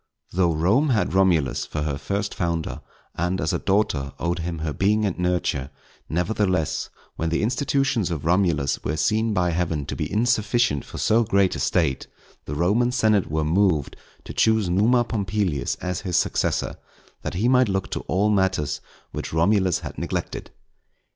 _ Though Rome had Romulus for her first founder, and as a daughter owed him her being and nurture, nevertheless, when the institutions of Romulus were seen by Heaven to be insufficient for so great a State, the Roman senate were moved to choose Numa Pompilius as his successor, that he might look to all matters which Romulus had neglected.